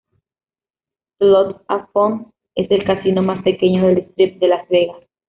Slots-A-Fun es el casino más pequeño del Strip de Las Vegas.